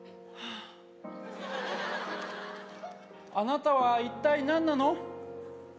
ああなたは一体何なの？